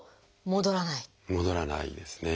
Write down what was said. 戻らないですね。